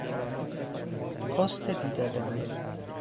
پست دیده بانی